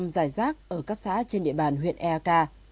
năm dài rác ở các xã trên địa bàn huyện ea ca